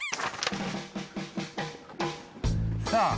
さあ